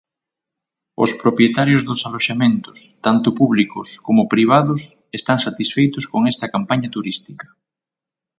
Os propietarios dos aloxamentos tanto públicos como privados están satisfeitos con esta campaña turística.